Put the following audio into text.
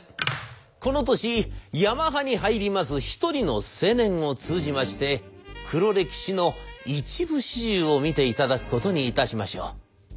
この年ヤマハに入ります一人の青年を通じまして黒歴史の一部始終を見ていただくことにいたしましょう。